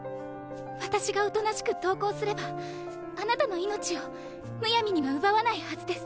私がおとなしく投降すればあなたの命をむやみには奪わないはずです。